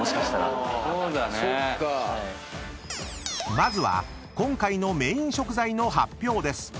［まずは今回のメイン食材の発表です］